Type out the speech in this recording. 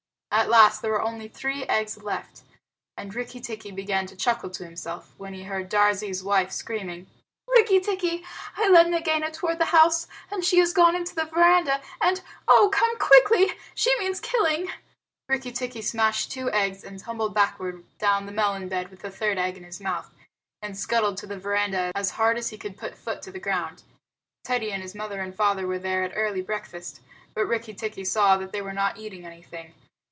At last there were only three eggs left, and Rikki tikki began to chuckle to himself, when he heard Darzee's wife screaming: "Rikki tikki, I led Nagaina toward the house, and she has gone into the veranda, and oh, come quickly she means killing!" Rikki tikki smashed two eggs, and tumbled backward down the melon bed with the third egg in his mouth, and scuttled to the veranda as hard as he could put foot to the ground. Teddy and his mother and father were there at early breakfast, but Rikki tikki saw that they were not eating anything.